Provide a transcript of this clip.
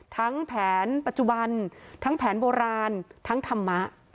แผนปัจจุบันทั้งแผนโบราณทั้งธรรมะ